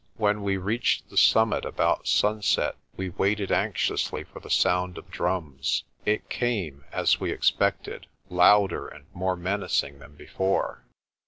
When we reached the summit about sunset we waited anxiously for the sound of drums. It came, as we expected, louder and more menacing than before.